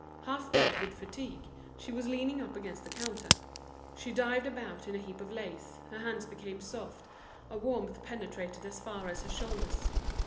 Half dead with fatigue, she was leaning up against the counter. She dived about in a heap of lace, her hands became soft, a warmth penetrated as far as her shoulders.